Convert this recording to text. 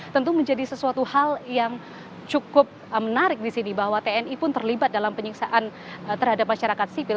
tentu menjadi sesuatu hal yang cukup menarik di sini bahwa tni pun terlibat dalam penyiksaan terhadap masyarakat sipil